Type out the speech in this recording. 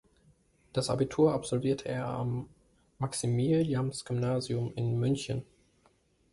Das Abitur absolvierte er am Maximiliansgymnasium in München.